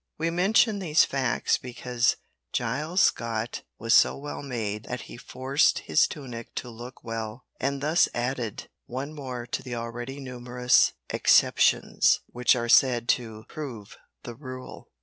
We mention these facts because Giles Scott was so well made that he forced his tunic to look well, and thus added one more to the already numerous "exceptions" which are said to "prove the rule."